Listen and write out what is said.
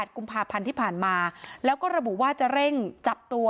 กุมภาพันธ์ที่ผ่านมาแล้วก็ระบุว่าจะเร่งจับตัว